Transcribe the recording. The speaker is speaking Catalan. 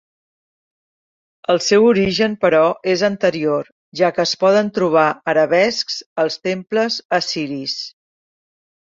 El seu origen, però, és anterior, ja que es poden trobar arabescs als temples assiris.